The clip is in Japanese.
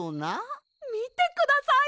みてください！